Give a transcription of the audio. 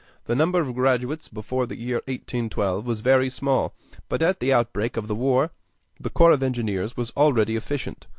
The number of graduates before the year 1812 was very small; but at the outbreak of the war the corps of engineers was already efficient.